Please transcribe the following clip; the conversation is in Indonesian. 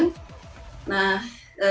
dan yang kecil itu delapan tahun